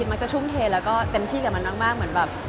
มักจะทุ่มเทแล้วก็เต็มที่กับมันมากเหมือนแบบ